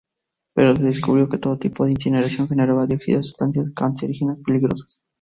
Pero se descubrió que todo tipo de incineración genera dioxinas, sustancias cancerígenas peligrosas.